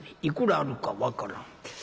いくらあるか分からん。